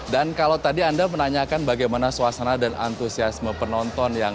dan kalau tadi anda menanyakan bagaimana suasana dan antusiasma penonton yang datang